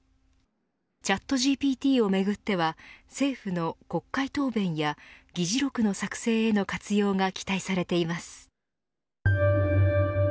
チャットＧＰＴをめぐっては政府の国会答弁や議事録の作成への活用が期待されています。